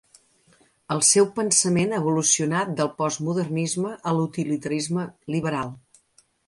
El seu pensament evolucionà del postmodernisme a l'utilitarisme liberal.